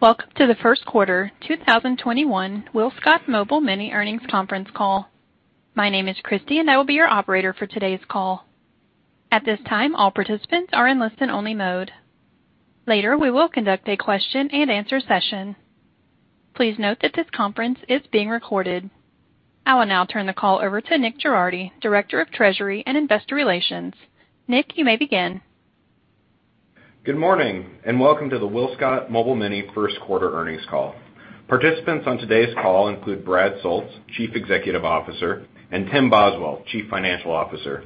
Welcome to the first quarter 2021 WillScot Mobile Mini earnings conference call. My name is Christy and I will be your operator for today's call. At this time, all participants are in listen-only mode. Later, we will conduct a question and answer session. Please note that this conference is being recorded. I will now turn the call over to Nick Girardi, Director of Treasury and Investor Relations. Nick, you may begin. Good morning. Welcome to the WillScot Mobile Mini first quarter earnings call. Participants on today's call include Brad Soultz, Chief Executive Officer, and Tim Boswell, Chief Financial Officer.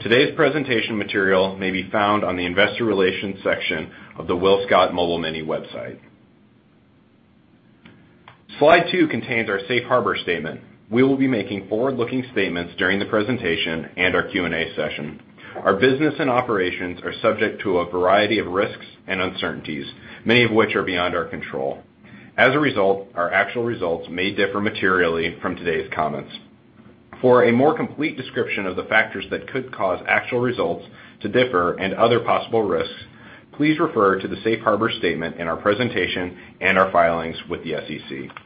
Today's presentation material may be found on the investor relations section of the WillScot Mobile Mini website. Slide two contains our safe harbor statement. We will be making forward-looking statements during the presentation and our Q&A session. Our business and operations are subject to a variety of risks and uncertainties, many of which are beyond our control. As a result, our actual results may differ materially from today's comments. For a more complete description of the factors that could cause actual results to differ and other possible risks, please refer to the safe harbor statement in our presentation and our filings with the SEC.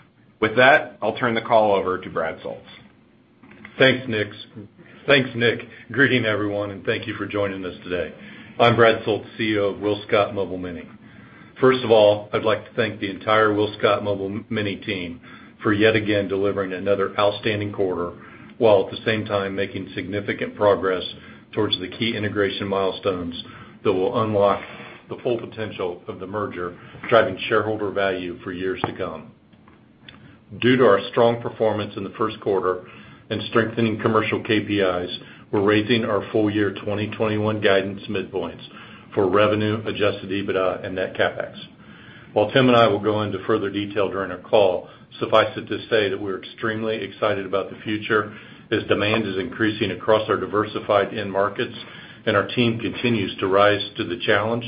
With that, I'll turn the call over to Brad Soultz. Thanks, Nick. Greeting everyone, and thank you for joining us today. I'm Brad Soultz, CEO of WillScot Mobile Mini. First of all, I'd like to thank the entire WillScot Mobile Mini team for yet again delivering another outstanding quarter, while at the same time making significant progress towards the key integration milestones that will unlock the full potential of the merger, driving shareholder value for years to come. Due to our strong performance in the first quarter and strengthening commercial KPIs, we're raising our full year 2021 guidance midpoints for revenue, adjusted EBITDA, and net CapEx. While Tim and I will go into further detail during our call, suffice it to say that we're extremely excited about the future as demand is increasing across our diversified end markets, and our team continues to rise to the challenge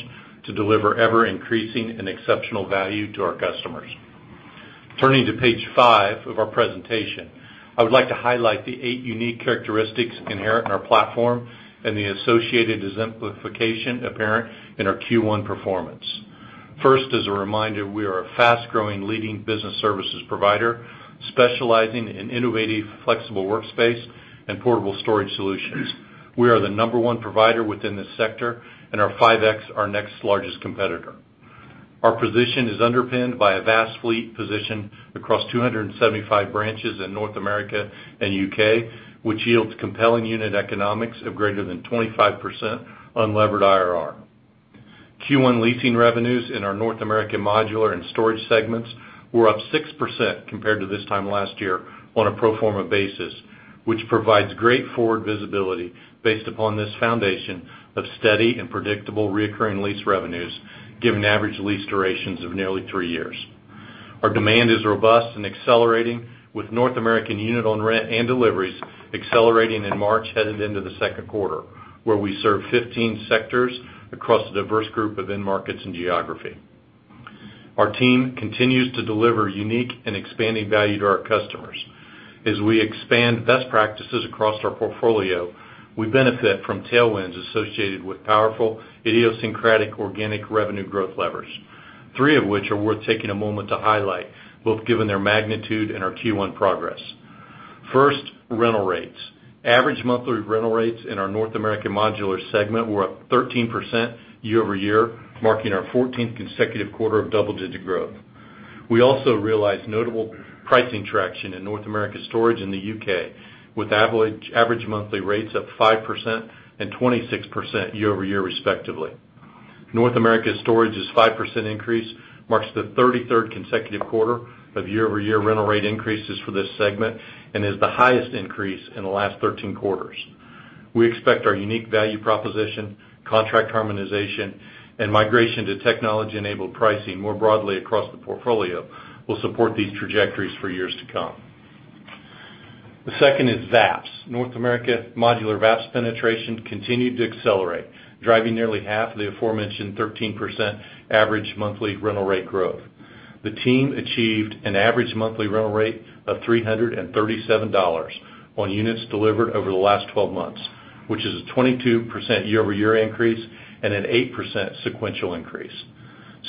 to deliver ever-increasing and exceptional value to our customers. Turning to page five of our presentation, I would like to highlight the eight unique characteristics inherent in our platform and the associated exemplification apparent in our Q1 performance. First, as a reminder, we are a fast-growing leading business services provider specializing in innovative, flexible workspace and portable storage solutions. We are the number one provider within this sector and are 5X our next largest competitor. Our position is underpinned by a vast fleet position across 275 branches in North America and U.K., which yields compelling unit economics of greater than 25% unlevered IRR. Q1 leasing revenues in our North American modular and storage segments were up 6% compared to this time last year on a pro forma basis, which provides great forward visibility based upon this foundation of steady and predictable recurring lease revenues, given average lease durations of nearly three years. Our demand is robust and accelerating with North American unit on rent and deliveries accelerating in March headed into the second quarter, where we serve 15 sectors across a diverse group of end markets and geography. Our team continues to deliver unique and expanding value to our customers. As we expand best practices across our portfolio, we benefit from tailwinds associated with powerful, idiosyncratic, organic revenue growth levers, three of which are worth taking a moment to highlight, both given their magnitude and our Q1 progress. First, rental rates. Average monthly rental rates in our North American modular segment were up 13% year-over-year, marking our 14th consecutive quarter of double-digit growth. We also realized notable pricing traction in North America storage in the U.K., with average monthly rates up 5% and 26% year-over-year, respectively. North America storage is 5% increase marks the 33rd consecutive quarter of year-over-year rental rate increases for this segment and is the highest increase in the last 13 quarters. We expect our unique value proposition, contract harmonization, and migration to technology-enabled pricing more broadly across the portfolio will support these trajectories for years to come. The second is VAPS. North America modular VAPS penetration continued to accelerate, driving nearly half of the aforementioned 13% average monthly rental rate growth. The team achieved an average monthly rental rate of $337 on units delivered over the last 12 months, which is a 22% year-over-year increase and an 8% sequential increase.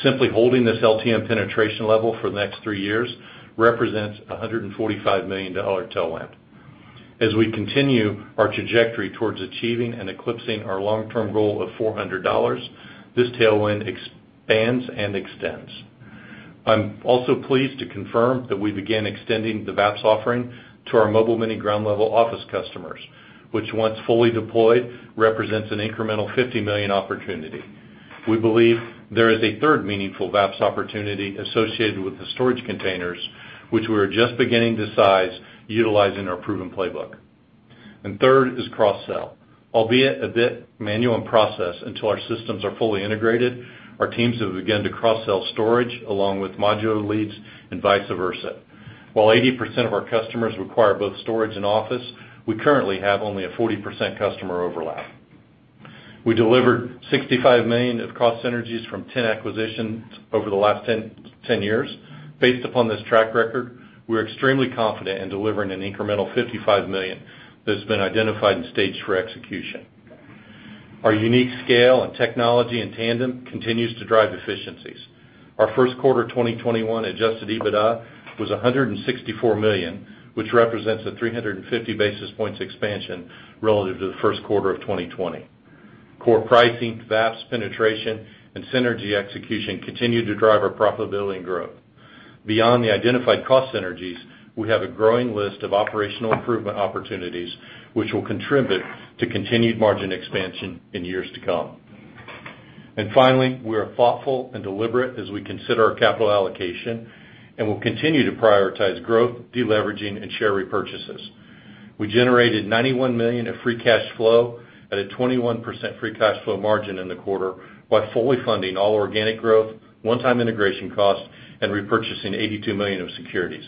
Simply holding this LTM penetration level for the next three years represents $145 million tailwind. As we continue our trajectory towards achieving and eclipsing our long-term goal of $400, this tailwind expands and extends. I'm also pleased to confirm that we began extending the VAPS offering to our Mobile Mini ground level office customers, which once fully deployed, represents an incremental $50 million opportunity. We believe there is a third meaningful VAPS opportunity associated with the storage containers, which we're just beginning to size utilizing our proven playbook. Third is cross-sell. Albeit a bit manual in process until our systems are fully integrated, our teams have begun to cross-sell storage along with modular leads and vice versa. While 80% of our customers require both storage and office, we currently have only a 40% customer overlap. We delivered $65 million of cost synergies from 10 acquisitions over the last 10 years. Based upon this track record, we're extremely confident in delivering an incremental $55 million that's been identified and staged for execution. Our unique scale and technology in tandem continues to drive efficiencies. Our first quarter 2021 adjusted EBITDA was $164 million, which represents a 350 basis points expansion relative to the first quarter of 2020. Core pricing, VAPS penetration, and synergy execution continue to drive our profitability and growth. Beyond the identified cost synergies, we have a growing list of operational improvement opportunities, which will contribute to continued margin expansion in years to come. Finally, we are thoughtful and deliberate as we consider our capital allocation, and will continue to prioritize growth, de-leveraging, and share repurchases. We generated $91 million of free cash flow at a 21% free cash flow margin in the quarter while fully funding all organic growth, one-time integration costs, and repurchasing $82 million of securities.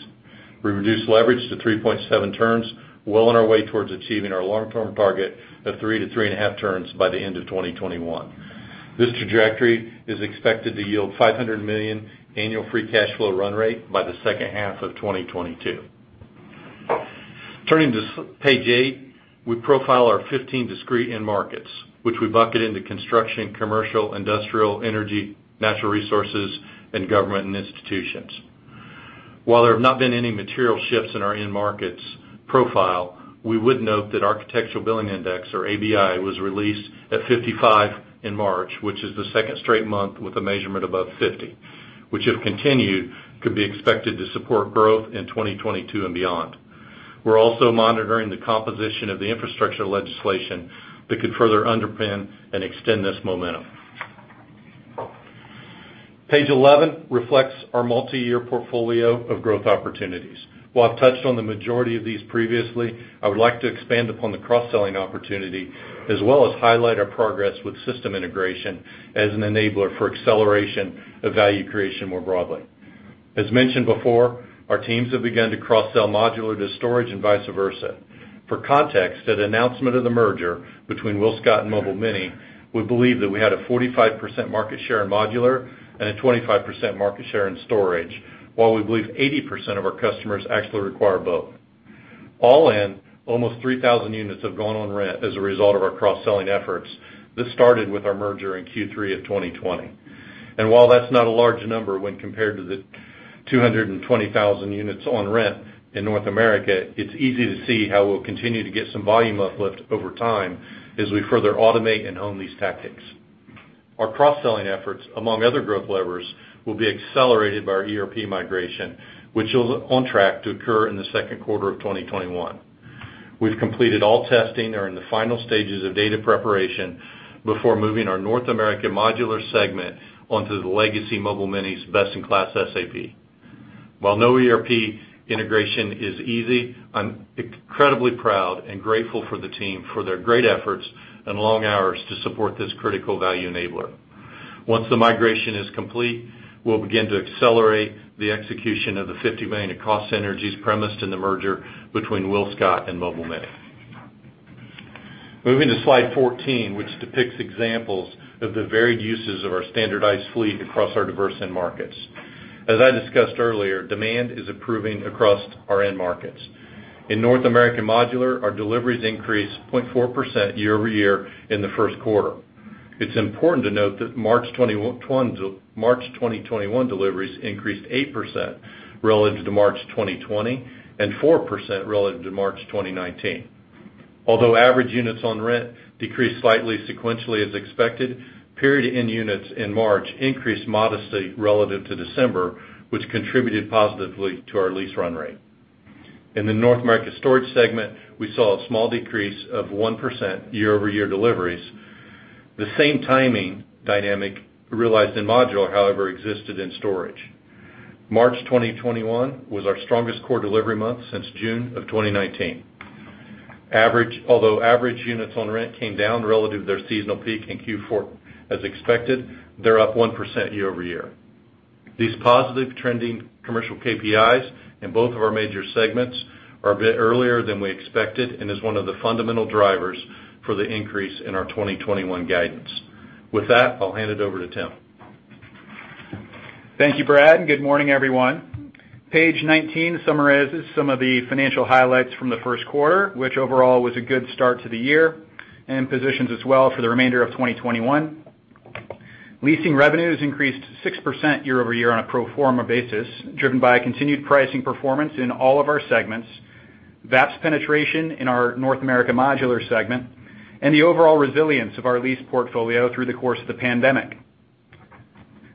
We reduced leverage to 3.7 turns, well on our way towards achieving our long-term target of 3-3.5 turns by the end of 2021. This trajectory is expected to yield $500 million annual free cash flow run rate by the second half of 2022. Turning to page eight, we profile our 15 discrete end markets, which we bucket into construction, commercial, industrial, energy, natural resources, and government and institutions. While there have not been any material shifts in our end markets profile, we would note that Architecture Billings Index, or ABI, was released at 55 in March, which is the second straight month with a measurement above 50, which if continued, could be expected to support growth in 2022 and beyond. We're also monitoring the composition of the infrastructure legislation that could further underpin and extend this momentum. Page 11 reflects our multi-year portfolio of growth opportunities. While I've touched on the majority of these previously, I would like to expand upon the cross-selling opportunity as well as highlight our progress with system integration as an enabler for acceleration of value creation more broadly. As mentioned before, our teams have begun to cross-sell modular to storage and vice versa. For context, at announcement of the merger between WillScot and Mobile Mini, we believe that we had a 45% market share in modular and a 25% market share in storage, while we believe 80% of our customers actually require both. All in, almost 3,000 units have gone on rent as a result of our cross-selling efforts. This started with our merger in Q3 of 2020. While that's not a large number when compared to the 220,000 units on rent in North America, it's easy to see how we'll continue to get some volume uplift over time as we further automate and hone these tactics. Our cross-selling efforts, among other growth levers, will be accelerated by our ERP migration, which is on track to occur in the second quarter of 2021. We've completed all testing and are in the final stages of data preparation before moving our North American modular segment onto the legacy Mobile Mini's best-in-class SAP. While no ERP integration is easy, I'm incredibly proud and grateful for the team for their great efforts and long hours to support this critical value enabler. Once the migration is complete, we'll begin to accelerate the execution of the $50 million in cost synergies premised in the merger between WillScot and Mobile Mini. Moving to slide 14, which depicts examples of the varied uses of our standardized fleet across our diverse end markets. As I discussed earlier, demand is improving across our end markets. In North American modular, our deliveries increased 0.4% year-over-year in the first quarter. It's important to note that March 2021 deliveries increased 8% relative to March 2020 and 4% relative to March 2019. Although average units on rent decreased slightly sequentially as expected, period-end units in March increased modestly relative to December, which contributed positively to our lease run rate. In the North America storage segment, we saw a small decrease of 1% year-over-year deliveries. The same timing dynamic realized in modular, however, existed in storage. March 2021 was our strongest core delivery month since June of 2019. Although average units on rent came down relative to their seasonal peak in Q4 as expected, they're up 1% year-over-year. These positive trending commercial KPIs in both of our major segments are a bit earlier than we expected and is one of the fundamental drivers for the increase in our 2021 guidance. With that, I'll hand it over to Tim. Thank you, Brad. Good morning, everyone. Page 19 summarizes some of the financial highlights from the first quarter, which overall was a good start to the year and positions us well for the remainder of 2021. Leasing revenues increased 6% year-over-year on a pro forma basis, driven by continued pricing performance in all of our segments, VAPS penetration in our North America modular segment, and the overall resilience of our lease portfolio through the course of the pandemic.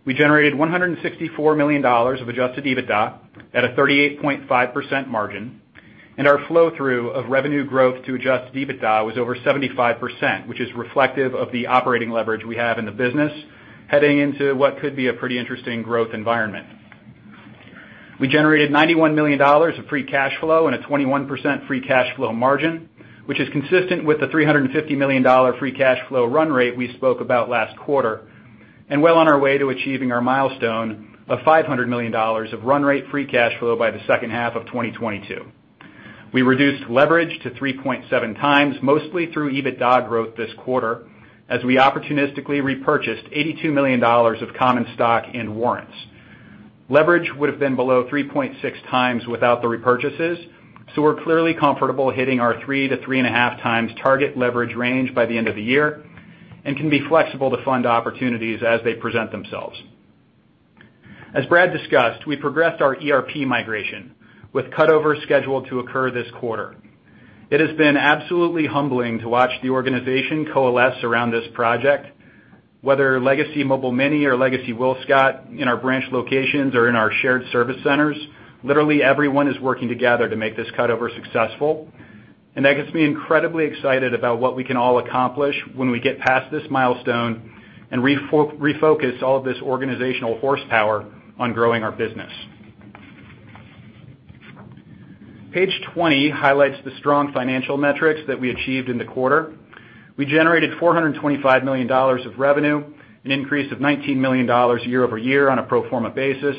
We generated $164 million of adjusted EBITDA at a 38.5% margin, and our flow-through of revenue growth to adjusted EBITDA was over 75%, which is reflective of the operating leverage we have in the business heading into what could be a pretty interesting growth environment. We generated $91 million of free cash flow and a 21% free cash flow margin, which is consistent with the $350 million free cash flow run rate we spoke about last quarter, and well on our way to achieving our milestone of $500 million of run rate free cash flow by the second half of 2022. We reduced leverage to 3.7x, mostly through EBITDA growth this quarter, as we opportunistically repurchased $82 million of common stock and warrants. Leverage would have been below 3.6x without the repurchases, so we're clearly comfortable hitting our 3x-3.5x target leverage range by the end of the year and can be flexible to fund opportunities as they present themselves. As Brad discussed, we progressed our ERP migration with cutover scheduled to occur this quarter. It has been absolutely humbling to watch the organization coalesce around this project, whether legacy Mobile Mini or legacy WillScot in our branch locations or in our shared service centers. Literally everyone is working together to make this cutover successful, and that gets me incredibly excited about what we can all accomplish when we get past this milestone and refocus all of this organizational horsepower on growing our business. Page 20 highlights the strong financial metrics that we achieved in the quarter. We generated $425 million of revenue, an increase of $19 million year-over-year on a pro forma basis.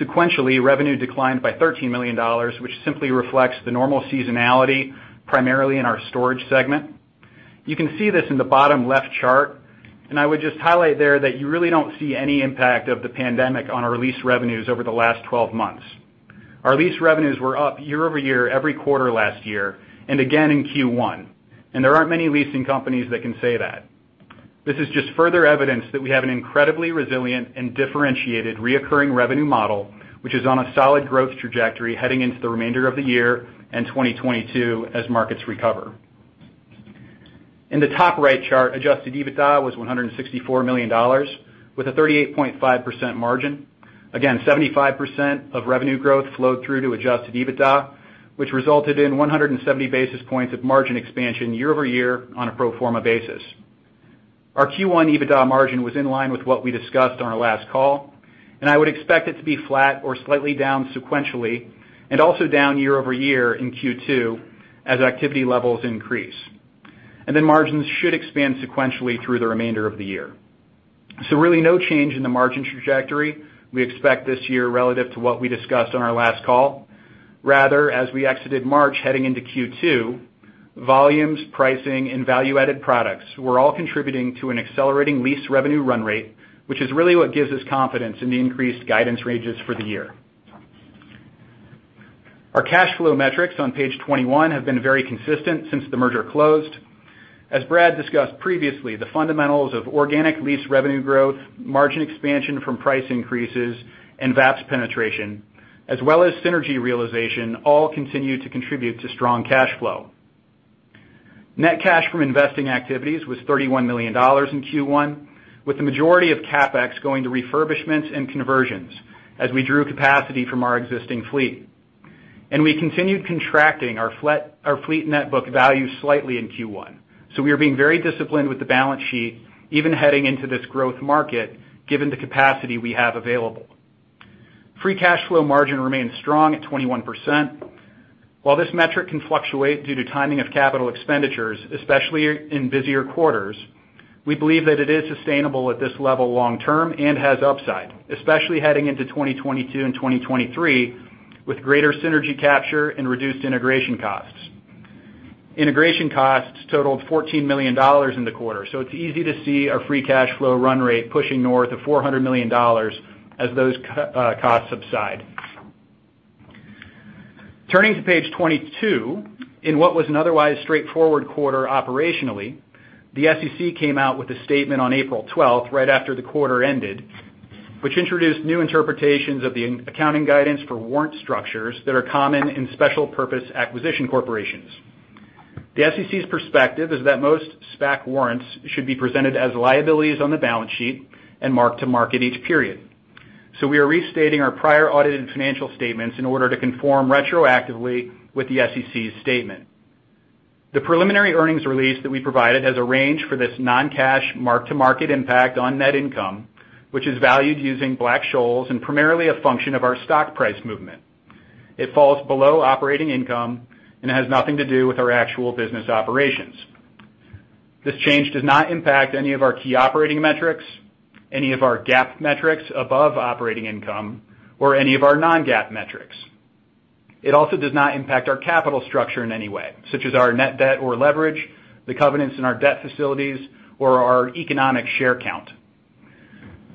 Sequentially, revenue declined by $13 million, which simply reflects the normal seasonality, primarily in our storage segment. You can see this in the bottom left chart, and I would just highlight there that you really don't see any impact of the pandemic on our lease revenues over the last 12 months. Our lease revenues were up year-over-year, every quarter last year and again in Q1. There aren't many leasing companies that can say that. This is just further evidence that we have an incredibly resilient and differentiated reoccurring revenue model, which is on a solid growth trajectory heading into the remainder of the year and 2022 as markets recover. In the top right chart, adjusted EBITDA was $164 million with a 38.5% margin. Again, 75% of revenue growth flowed through to adjusted EBITDA, which resulted in 170 basis points of margin expansion year-over-year on a pro forma basis. Our Q1 EBITDA margin was in line with what we discussed on our last call. I would expect it to be flat or slightly down sequentially and also down year-over-year in Q2 as activity levels increase. Margins should expand sequentially through the remainder of the year. Really no change in the margin trajectory we expect this year relative to what we discussed on our last call. Rather, as we exited March heading into Q2, volumes, pricing, and value-added products were all contributing to an accelerating lease revenue run rate, which is really what gives us confidence in the increased guidance ranges for the year. Our cash flow metrics on page 21 have been very consistent since the merger closed. As Brad discussed previously, the fundamentals of organic lease revenue growth, margin expansion from price increases and VAPS penetration, as well as synergy realization, all continue to contribute to strong cash flow. Net cash from investing activities was $31 million in Q1, with the majority of CapEx going to refurbishments and conversions as we drew capacity from our existing fleet. We continued contracting our fleet net book value slightly in Q1. We are being very disciplined with the balance sheet even heading into this growth market, given the capacity we have available. Free cash flow margin remains strong at 21%. While this metric can fluctuate due to timing of capital expenditures, especially in busier quarters, we believe that it is sustainable at this level long term and has upside, especially heading into 2022 and 2023 with greater synergy capture and reduced integration costs. Integration costs totaled $14 million in the quarter. It's easy to see our free cash flow run rate pushing north of $400 million as those costs subside. Turning to page 22, in what was an otherwise straightforward quarter operationally, the SEC came out with a statement on April 12th, right after the quarter ended, which introduced new interpretations of the accounting guidance for warrant structures that are common in special purpose acquisition corporations. The SEC's perspective is that most SPAC warrants should be presented as liabilities on the balance sheet and marked to market each period. We are restating our prior audited financial statements in order to conform retroactively with the SEC's statement. The preliminary earnings release that we provided has a range for this non-cash mark-to-market impact on net income, which is valued using Black-Scholes and primarily a function of our stock price movement. It falls below operating income and has nothing to do with our actual business operations. This change does not impact any of our key operating metrics, any of our GAAP metrics above operating income, or any of our non-GAAP metrics. It also does not impact our capital structure in any way, such as our net debt or leverage, the covenants in our debt facilities, or our economic share count.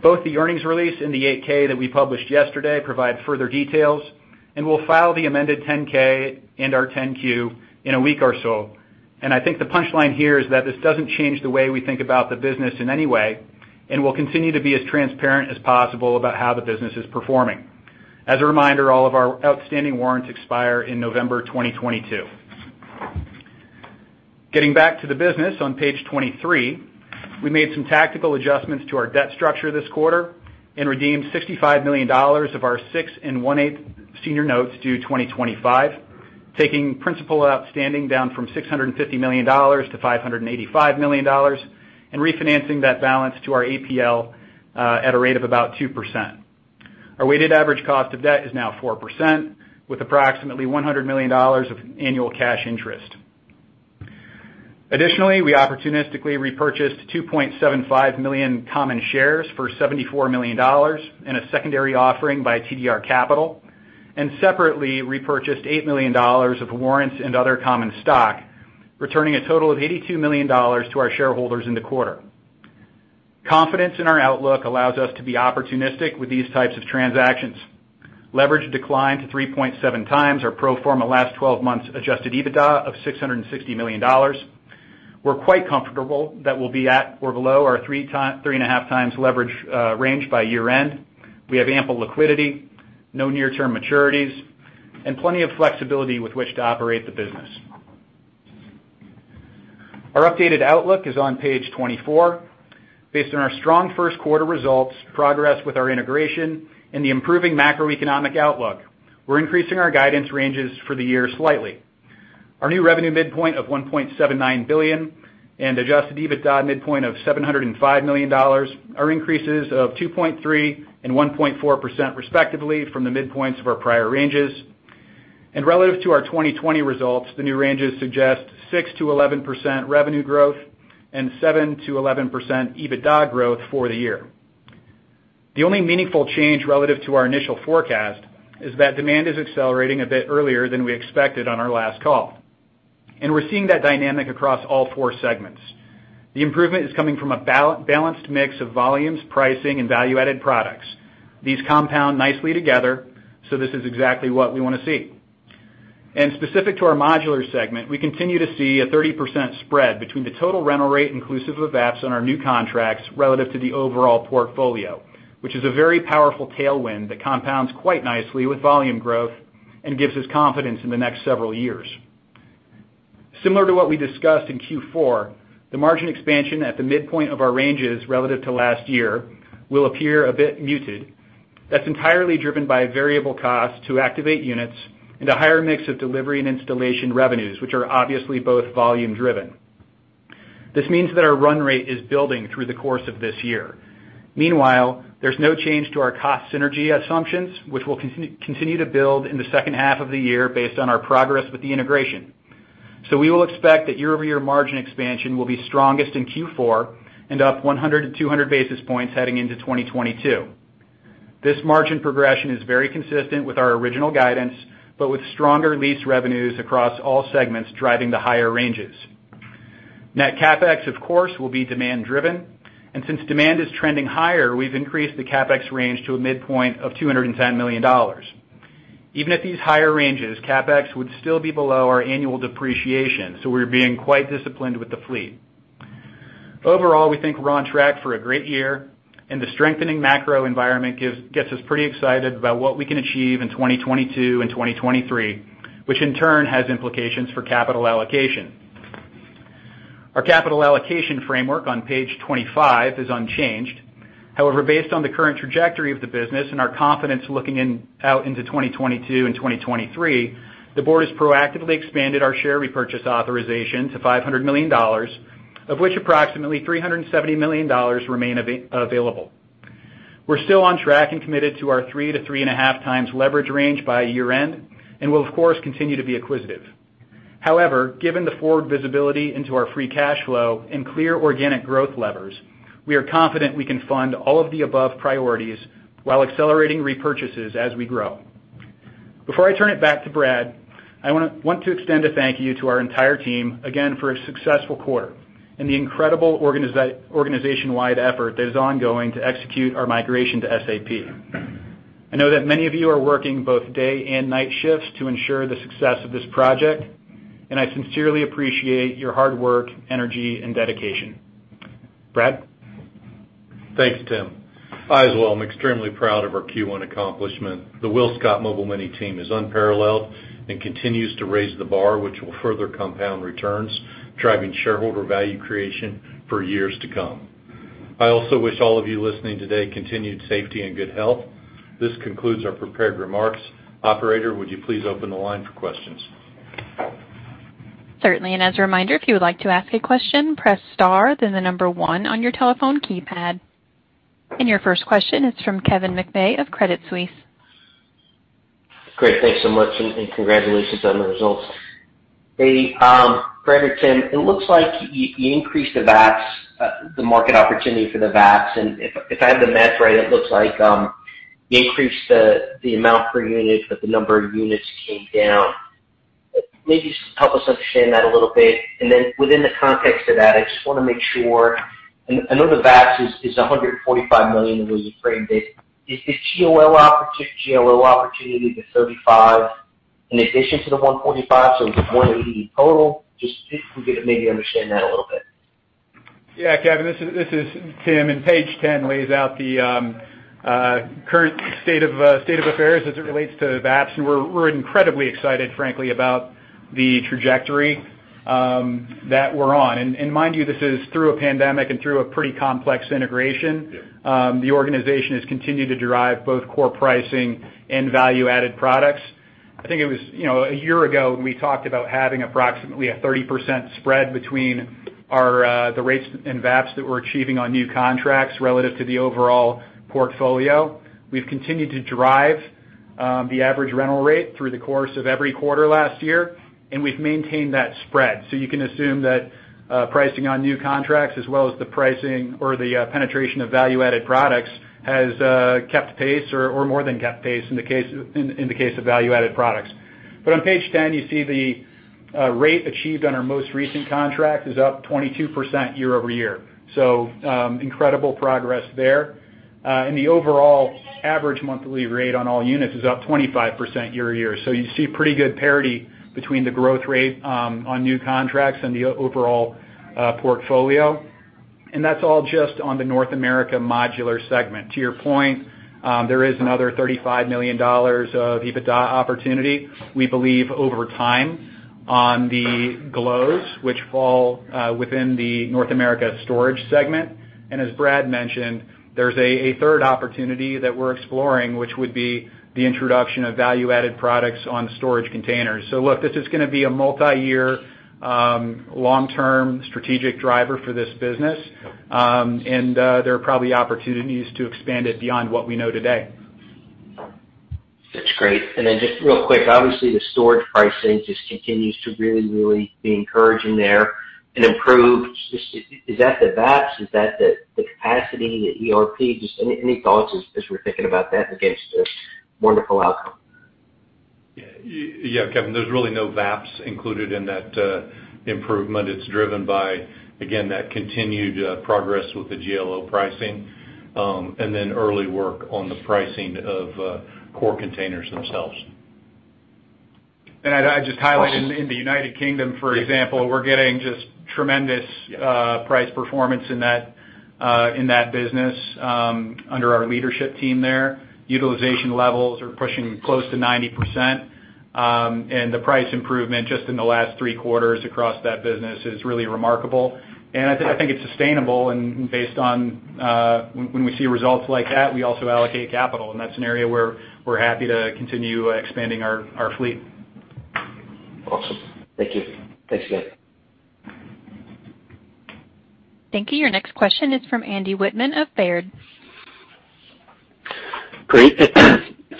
Both the earnings release and the 8-K that we published yesterday provide further details, and we'll file the amended 10-K and our 10-Q in a week or so. I think the punchline here is that this doesn't change the way we think about the business in any way, and we'll continue to be as transparent as possible about how the business is performing. As a reminder, all of our outstanding warrants expire in November 2022. Getting back to the business on page 23, we made some tactical adjustments to our debt structure this quarter and redeemed $65 million of our 6 1/8 senior notes due 2025, taking principal outstanding down from $650 million to $585 million, and refinancing that balance to our ABL at a rate of about 2%. Our weighted average cost of debt is now 4%, with approximately $100 million of annual cash interest. Additionally, we opportunistically repurchased 2.75 million common shares for $74 million in a secondary offering by TDR Capital, and separately repurchased $8 million of warrants and other common stock. Returning a total of $82 million to our shareholders in the quarter. Confidence in our outlook allows us to be opportunistic with these types of transactions. Leverage declined to 3.7x our pro forma last 12 months adjusted EBITDA of $660 million. We're quite comfortable that we'll be at or below our three and a half times leverage range by year end. We have ample liquidity, no near-term maturities, and plenty of flexibility with which to operate the business. Our updated outlook is on page 24. Based on our strong first quarter results, progress with our integration, and the improving macroeconomic outlook, we're increasing our guidance ranges for the year slightly. Our new revenue midpoint of $1.79 billion and adjusted EBITDA midpoint of $705 million are increases of 2.3% and 1.4% respectively from the midpoints of our prior ranges. Relative to our 2020 results, the new ranges suggest 6%-11% revenue growth and 7%-11% EBITDA growth for the year. The only meaningful change relative to our initial forecast is that demand is accelerating a bit earlier than we expected on our last call. We're seeing that dynamic across all four segments. The improvement is coming from a balanced mix of volumes, pricing, and value-added products. These compound nicely together, this is exactly what we want to see. Specific to our modular segment, we continue to see a 30% spread between the total rental rate inclusive of VAPS on our new contracts relative to the overall portfolio, which is a very powerful tailwind that compounds quite nicely with volume growth and gives us confidence in the next several years. Similar to what we discussed in Q4, the margin expansion at the midpoint of our ranges relative to last year will appear a bit muted. That's entirely driven by variable costs to activate units and a higher mix of delivery and installation revenues, which are obviously both volume driven. This means that our run rate is building through the course of this year. Meanwhile, there's no change to our cost synergy assumptions, which will continue to build in the second half of the year based on our progress with the integration. We will expect that year-over-year margin expansion will be strongest in Q4 and up 100 to 200 basis points heading into 2022. This margin progression is very consistent with our original guidance, with stronger lease revenues across all segments driving the higher ranges. Net CapEx, of course, will be demand driven, since demand is trending higher, we've increased the CapEx range to a midpoint of $210 million. Even at these higher ranges, CapEx would still be below our annual depreciation, we're being quite disciplined with the fleet. Overall, we think we're on track for a great year, and the strengthening macro environment gets us pretty excited about what we can achieve in 2022 and 2023, which in turn has implications for capital allocation. Our capital allocation framework on page 25 is unchanged. However, based on the current trajectory of the business and our confidence looking out into 2022 and 2023, the board has proactively expanded our share repurchase authorization to $500 million, of which approximately $370 million remain available. We're still on track and committed to our 3x-3.5x leverage range by year end and will, of course, continue to be acquisitive. However, given the forward visibility into our free cash flow and clear organic growth levers, we are confident we can fund all of the above priorities while accelerating repurchases as we grow. Before I turn it back to Brad, I want to extend a thank you to our entire team again for a successful quarter and the incredible organization-wide effort that is ongoing to execute our migration to SAP. I know that many of you are working both day and night shifts to ensure the success of this project, and I sincerely appreciate your hard work, energy, and dedication. Brad? Thanks, Tim. I, as well, am extremely proud of our Q1 accomplishment. The WillScot Mobile Mini team is unparalleled and continues to raise the bar, which will further compound returns, driving shareholder value creation for years to come. I also wish all of you listening today continued safety and good health. This concludes our prepared remarks. Operator, would you please open the line for questions? Certainly, as a reminder, if you would like to ask a question, press star, then one on your telephone keypad. Your first question is from Kevin McVeigh of Credit Suisse. Great. Thanks so much. Congratulations on the results. Brad or Tim, it looks like you increased the VAPS, the market opportunity for the VAPS. If I have the math right, it looks like you increased the amount per unit, the number of units came down. Maybe help us understand that a little bit. Within the context of that, I just want to make sure, I know the VAPS is $145 million the way you framed it. Is the GLO opportunity, the $35 million in addition to the $145 million, is it $180 million total? Just if we could maybe understand that a little bit. Yeah, Kevin, this is Tim. Page 10 lays out the current state of affairs as it relates to VAPS, and we're incredibly excited, frankly, about the trajectory that we're on. Mind you, this is through a pandemic and through a pretty complex integration. Yep. The organization has continued to derive both core pricing and value-added products. I think it was a year ago when we talked about having approximately a 30% spread between the rates and VAPS that we're achieving on new contracts relative to the overall portfolio. We've continued to drive the average rental rate through the course of every quarter last year, and we've maintained that spread. You can assume that pricing on new contracts, as well as the pricing or the penetration of value-added products, has kept pace or more than kept pace in the case of value-added products. On page 10, you see the rate achieved on our most recent contract is up 22% year-over-year. Incredible progress there. The overall average monthly rate on all units is up 25% year-over-year. You see pretty good parity between the growth rate on new contracts and the overall portfolio. That's all just on the North America modular segment. To your point, there is another $35 million of EBITDA opportunity, we believe over time, on the GLOs, which fall within the North America storage segment. As Brad mentioned, there's a third opportunity that we're exploring, which would be the introduction of value-added products on storage containers. Look, this is going to be a multi-year, long-term strategic driver for this business. There are probably opportunities to expand it beyond what we know today. That's great. Just real quick, obviously the storage pricing just continues to really be encouraging there, and improved. Is that the VAPS? Is that the capacity, the ERP? Just any thoughts as we're thinking about that against a wonderful outcome? Yeah, Kevin, there's really no VAPS included in that improvement. It's driven by, again, that continued progress with the GLO pricing, and then early work on the pricing of core containers themselves. I'd just highlight in the United Kingdom, for example, we're getting just tremendous price performance in that business under our leadership team there. Utilization levels are pushing close to 90%, and the price improvement just in the last three quarters across that business is really remarkable. I think it's sustainable and based on when we see results like that, we also allocate capital. That's an area where we're happy to continue expanding our fleet. Awesome. Thank you. Thanks, guys. Thank you. Your next question is from Andy Wittmann of Baird. Great.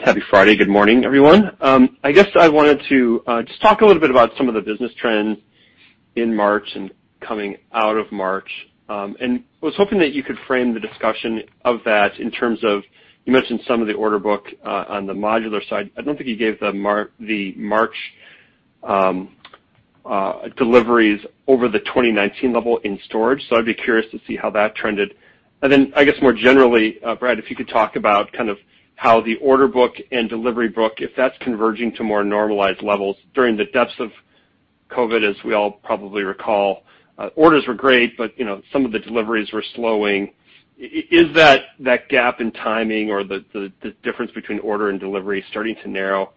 Happy Friday. Good morning, everyone. I guess I wanted to just talk a little bit about some of the business trends in March and coming out of March. Was hoping that you could frame the discussion of that in terms of, you mentioned some of the order book on the modular side. I don't think you gave the March deliveries over the 2019 level in storage, so I'd be curious to see how that trended. I guess more generally, Brad, if you could talk about kind of how the order book and delivery book, if that's converging to more normalized levels during the depths of COVID, as we all probably recall. Orders were great, but some of the deliveries were slowing. Is that gap in timing or the difference between order and delivery starting to narrow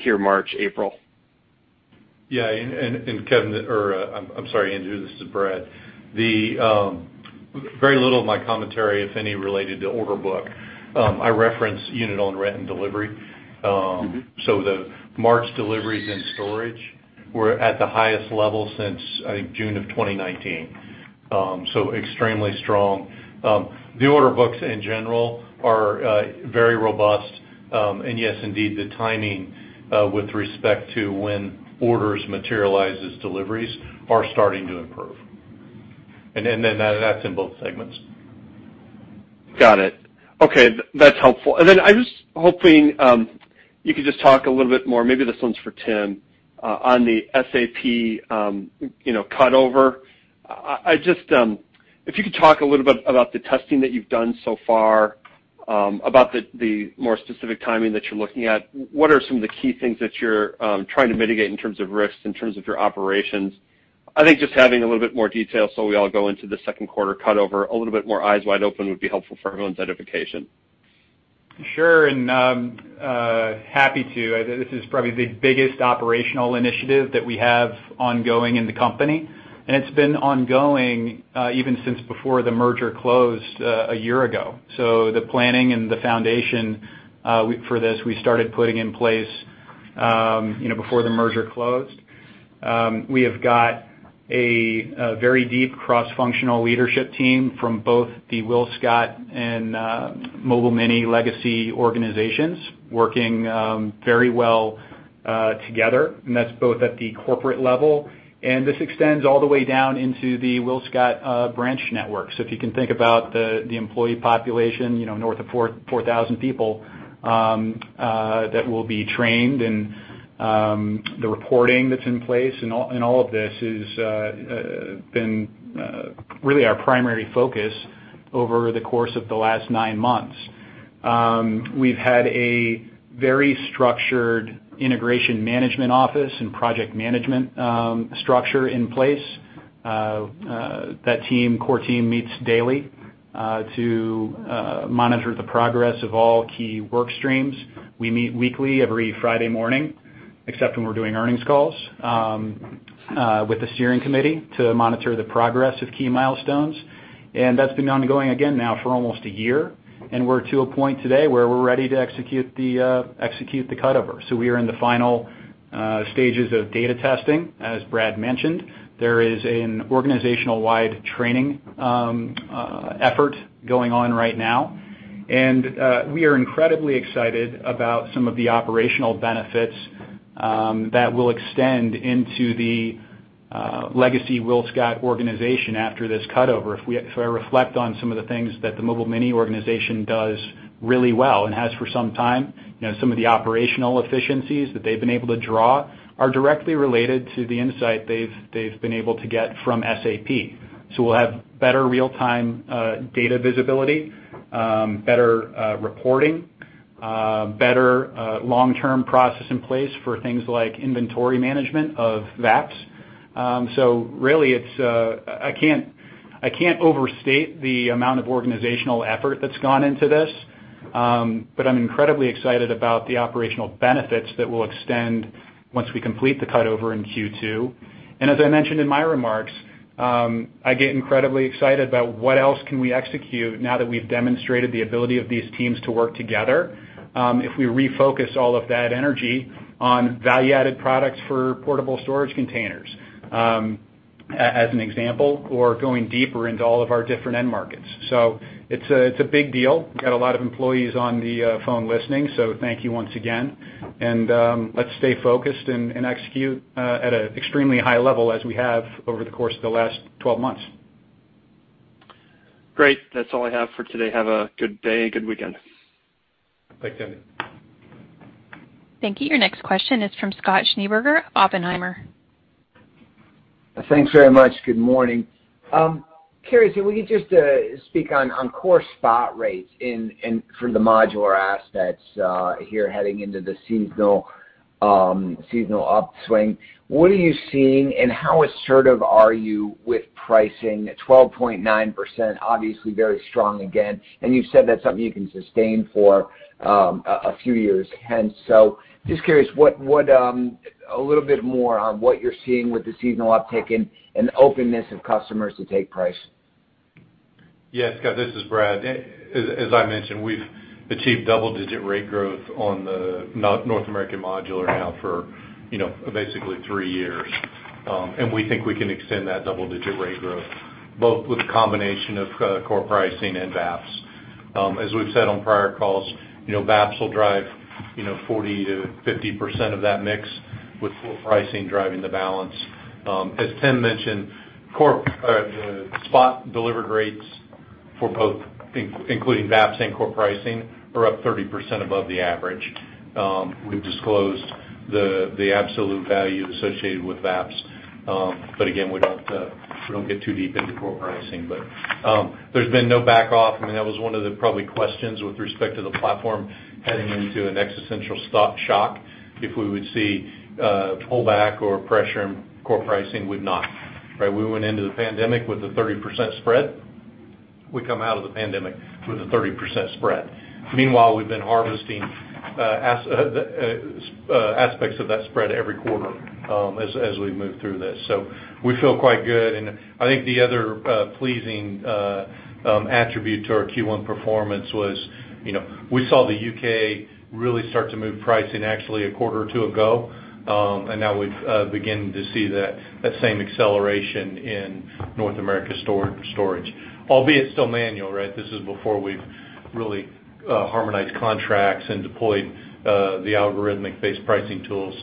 here March, April? Yeah, Kevin, or I'm sorry, Andy, this is Brad. Very little of my commentary, if any, related to order book. I referenced unit on rent and delivery. The March deliveries in storage were at the highest level since, I think, June of 2019. Extremely strong. The order books in general are very robust. Yes, indeed, the timing with respect to when orders materialize as deliveries are starting to improve. That's in both segments. Got it. Okay. That's helpful. I was hoping you could just talk a little bit more, maybe this one's for Tim, on the SAP cut over. If you could talk a little bit about the testing that you've done so far, about the more specific timing that you're looking at. What are some of the key things that you're trying to mitigate in terms of risks, in terms of your operations? I think just having a little bit more detail so we all go into the second quarter cut over a little bit more eyes wide open would be helpful for everyone's edification. Sure, and happy to. This is probably the biggest operational initiative that we have ongoing in the company. It's been ongoing even since before the merger closed a year ago. The planning and the foundation for this, we started putting in place before the merger closed. We have got a very deep cross-functional leadership team from both the WillScot and Mobile Mini legacy organizations working very well together, and that's both at the corporate level, and this extends all the way down into the WillScot branch network. If you can think about the employee population north of 4,000 people that will be trained and the reporting that's in place, and all of this has been really our primary focus over the course of the last nine months. We've had a very structured integration management office and project management structure in place. That core team meets daily to monitor the progress of all key work streams. We meet weekly every Friday morning, except when we're doing earnings calls, with the steering committee to monitor the progress of key milestones. That's been ongoing again now for almost a year. We're to a point today where we're ready to execute the cutover. We are in the final stages of data testing, as Brad mentioned. There is an organizational-wide training effort going on right now. We are incredibly excited about some of the operational benefits that will extend into the legacy WillScot organization after this cutover. If I reflect on some of the things that the Mobile Mini organization does really well and has for some time, some of the operational efficiencies that they've been able to draw are directly related to the insight they've been able to get from SAP. We'll have better real-time data visibility, better reporting, better long-term process in place for things like inventory management of VAPS. Really, I can't overstate the amount of organizational effort that's gone into this. I'm incredibly excited about the operational benefits that will extend once we complete the cut-over in Q2. As I mentioned in my remarks, I get incredibly excited about what else can we execute now that we've demonstrated the ability of these teams to work together. If we refocus all of that energy on value-added products for portable storage containers, as an example, or going deeper into all of our different end markets. It's a big deal. We've got a lot of employees on the phone listening, so thank you once again, and let's stay focused and execute at an extremely high level as we have over the course of the last 12 months. Great. That's all I have for today. Have a good day. Good weekend. Thanks, Andy. Thank you. Your next question is from Scott Schneeberger, Oppenheimer. Thanks very much. Good morning. Curious, if we could just speak on core spot rates for the modular assets here heading into the seasonal upswing. What are you seeing, and how assertive are you with pricing? 12.9%, obviously very strong again, and you've said that's something you can sustain for a few years hence. Just curious, a little bit more on what you're seeing with the seasonal uptick and openness of customers to take price. Yes, Scott, this is Brad. As I mentioned, we've achieved double-digit rate growth on the North American modular now for basically three years. We think we can extend that double-digit rate growth both with a combination of core pricing and VAPS. As we've said on prior calls, VAPS will drive 40%-50% of that mix, with core pricing driving the balance. As Tim mentioned, spot delivered rates for both, including VAPS and core pricing, are up 30% above the average. We've disclosed the absolute value associated with VAPS, but again, we don't get too deep into core pricing. There's been no back off, and that was one of the probably questions with respect to the platform heading into an existential stock shock, if we would see a pullback or pressure in core pricing. We've not. We went into the pandemic with a 30% spread. We come out of the pandemic with a 30% spread. Meanwhile, we've been harvesting aspects of that spread every quarter as we move through this. We feel quite good. I think the other pleasing attribute to our Q1 performance was we saw the U.K. really start to move pricing actually a quarter or two ago. Now we've begun to see that same acceleration in North America storage, albeit still manual. This is before we've really harmonized contracts and deployed the algorithmic-based pricing tools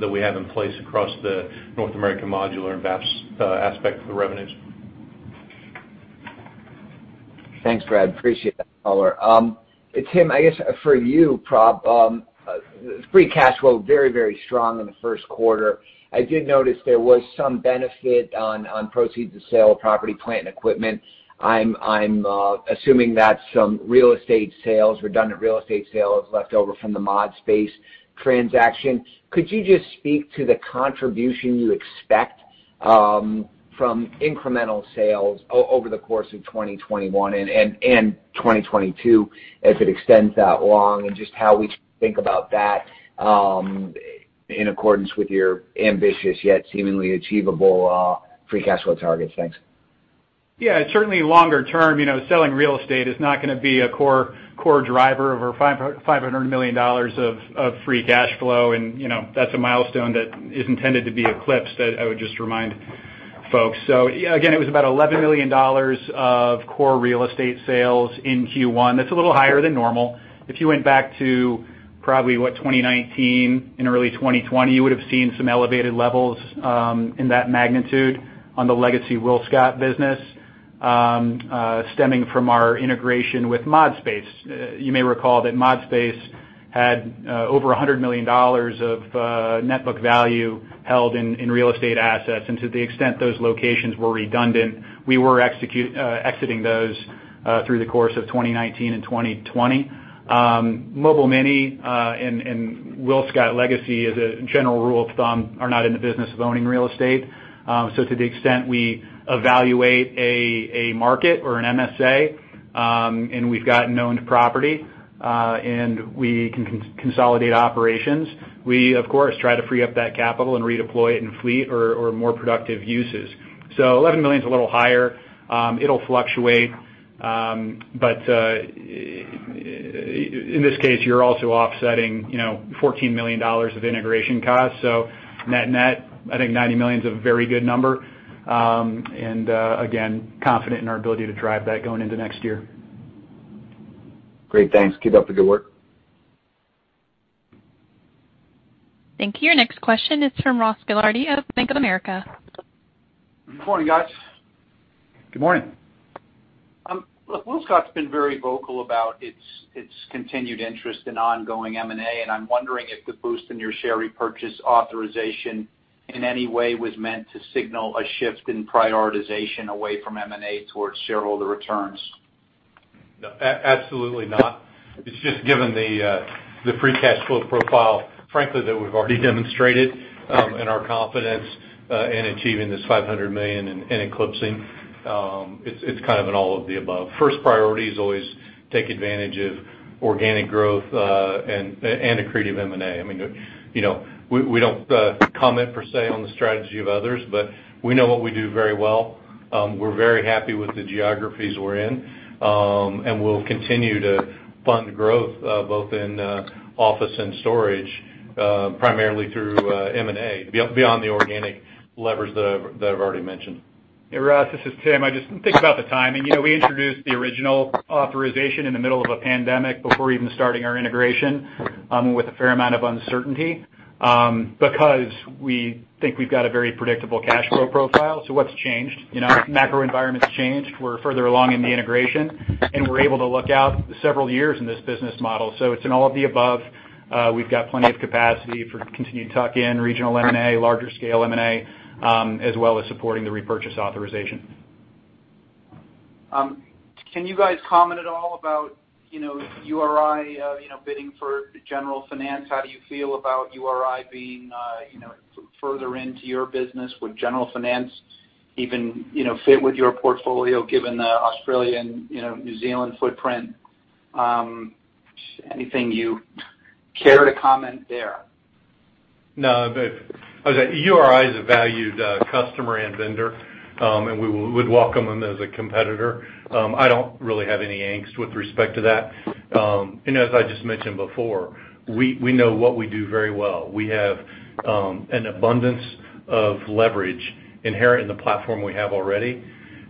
that we have in place across the North American modular and VAPS aspect of the revenues. Thanks, Brad. Appreciate that color. Tim, I guess for you, free cash flow very, very strong in the first quarter. I did notice there was some benefit on proceeds of sale of property, plant, and equipment. I'm assuming that's some real estate sales, redundant real estate sales left over from the ModSpace transaction. Could you just speak to the contribution you expect from incremental sales over the course of 2021 and 2022 as it extends that long, and just how we think about that in accordance with your ambitious, yet seemingly achievable free cash flow targets? Thanks. Yeah, certainly longer term, selling real estate is not going to be a core driver of our $500 million of free cash flow. That's a milestone that is intended to be eclipsed, I would just remind folks. Again, it was about $11 million of core real estate sales in Q1. That's a little higher than normal. If you went back to probably, what, 2019 and early 2020, you would have seen some elevated levels in that magnitude on the legacy WillScot business stemming from our integration with ModSpace. You may recall that ModSpace had over $100 million of net book value held in real estate assets, and to the extent those locations were redundant, we were exiting those through the course of 2019 and 2020. Mobile Mini and WillScot legacy, as a general rule of thumb, are not in the business of owning real estate. To the extent we evaluate a market or an MSA, and we've got known property, and we can consolidate operations, we of course try to free up that capital and redeploy it in fleet or more productive uses. $11 million is a little higher. It'll fluctuate. But in this case, you're also offsetting $14 million of integration costs. Net-net, I think $90 million is a very good number. Again, confident in our ability to drive that going into next year. Great, thanks. Keep up the good work. Thank you. Next question is from Ross Gilardi of Bank of America. Good morning, guys. Good morning. Look, WillScot's been very vocal about its continued interest in ongoing M&A, and I'm wondering if the boost in your share repurchase authorization in any way was meant to signal a shift in prioritization away from M&A towards shareholder returns. No, absolutely not. It's just given the free cash flow profile, frankly, that we've already demonstrated, and our confidence in achieving this $500 million in eclipsing. It's kind of an all of the above. First priority is always take advantage of organic growth and accretive M&A. We don't comment per se on the strategy of others, but we know what we do very well. We're very happy with the geographies we're in. We'll continue to fund growth both in office and storage primarily through M&A, beyond the organic levers that I've already mentioned. Hey, Ross, this is Tim. I just think about the timing. We introduced the original authorization in the middle of a pandemic before even starting our integration with a fair amount of uncertainty because we think we've got a very predictable cash flow profile. What's changed? Macro environment's changed. We're further along in the integration, and we're able to look out several years in this business model. It's an all of the above. We've got plenty of capacity for continued tuck-in regional M&A, larger scale M&A, as well as supporting the repurchase authorization. Can you guys comment at all about URI bidding for General Finance? How do you feel about URI being further into your business? Would General Finance even fit with your portfolio given the Australian, New Zealand footprint? Anything you care to comment there? No. URI is a valued customer and vendor. We would welcome them as a competitor. I don't really have any angst with respect to that. As I just mentioned before, we know what we do very well. We have an abundance of leverage inherent in the platform we have already.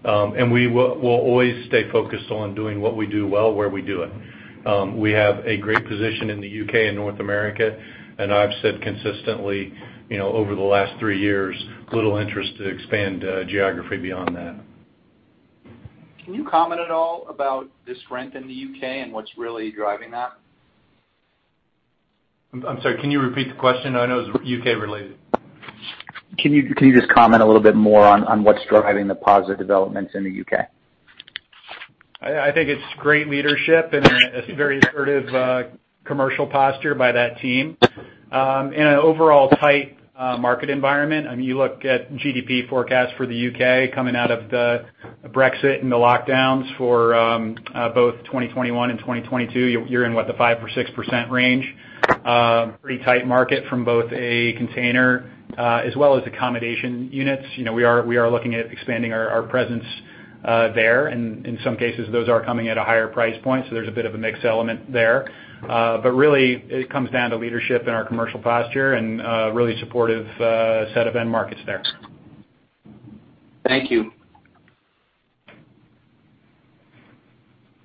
We will always stay focused on doing what we do well where we do it. We have a great position in the U.K. and North America. I've said consistently, over the last three years, little interest to expand geography beyond that. Can you comment at all about the strength in the U.K. and what's really driving that? I'm sorry. Can you repeat the question? I know it was U.K. related. Can you just comment a little bit more on what's driving the positive developments in the U.K.? I think it's great leadership and a very assertive commercial posture by that team in an overall tight market environment. You look at GDP forecasts for the U.K. coming out of the Brexit and the lockdowns for both 2021 and 2022. You're in, what, the 5% or 6% range. Pretty tight market from both a container as well as accommodation units. We are looking at expanding our presence there. In some cases, those are coming at a higher price point, so there's a bit of a mixed element there. Really it comes down to leadership and our commercial posture and a really supportive set of end markets there. Thank you.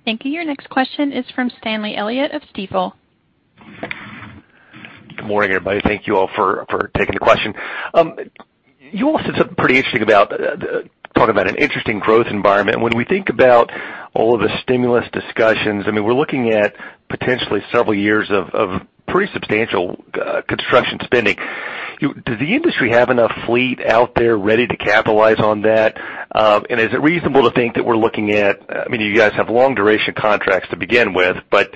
Thank you. Your next question is from Stanley Elliott of Stifel. Good morning, everybody. Thank you all for taking the question. You all said something pretty interesting about talking about an interesting growth environment. When we think about all of the stimulus discussions, we're looking at potentially several years of pretty substantial construction spending. Does the industry have enough fleet out there ready to capitalize on that? Is it reasonable to think that we're looking at, you guys have long duration contracts to begin with, but